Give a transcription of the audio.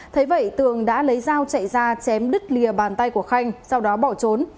thế vậy tường đã lấy dao chạy ra chém đứt lìa bàn tay của khanh sau đó bỏ trốn